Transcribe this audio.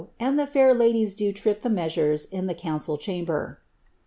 and the fair laHies do daily trip the raeasnres in the coundl* chamber."